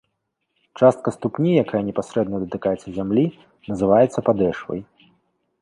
Частка ступні, якая непасрэдна датыкаецца зямлі называецца падэшвай.